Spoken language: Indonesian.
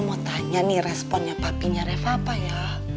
mau tanya nih responnya pakinya reva apa ya